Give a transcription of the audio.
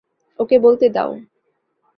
ওকে বলতে দাও।